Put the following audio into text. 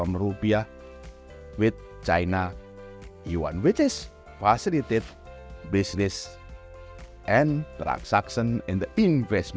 dari rupiah dengan china yang mempermudah bisnis dan transaksi dalam investasi